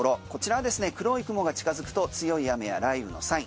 こちらですね黒い雲が近づくと強い雨や雷雨のサイン。